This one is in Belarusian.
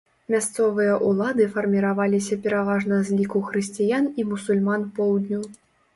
Мясцовыя ўлады фарміраваліся пераважна з ліку хрысціян і мусульман поўдню.